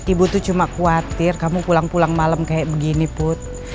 ibu tuh cuma khawatir kamu pulang pulang malam kayak begini put